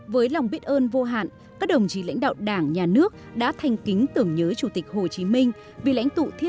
với lòng biết ơn vô hạn các đồng chí lãnh đạo đảng nhà nước đã thanh kính tưởng nhớ chủ tịch hồ chí minh